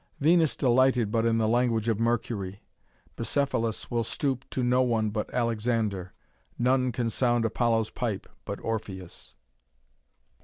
Venus delighted but in the language of Mercury, Bucephalus will stoop to no one but Alexander, none can sound Apollo's pipe but Orpheus."